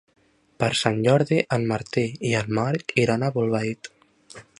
Per Sant Jordi en Martí i en Marc iran a Bolbait.